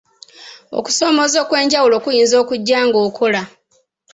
Okusoomooza okwenjawulo kuyinza okujja ng'okola.